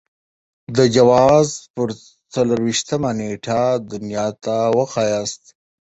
د جوزا پر څلور وېشتمه نېټه دنيا ته وښاياست.